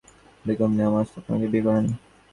তিনি বেগম নেয়াজ ফাতেমাকে বিয়ে করেন।